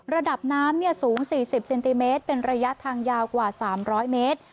ระดับน้ำสูง๔๐เซนติเมตรเป็นระยะทางยาวกว่า๓๐๐เมตร